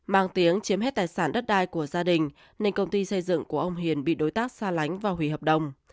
mang tiếng chiếm hết tài sản đất đai của gia đình nên công ty xây dựng của ông hiền bị đối tác xa lánh và hủy hợp đồng